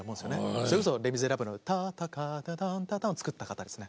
それこそ「レ・ミゼラブル」のタンタタンタターンを作った方ですね。